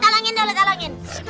talangin dulu talangin